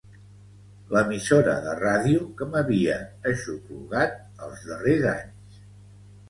L'emissora de ràdio que m'havia aixoplugat els darrers anys.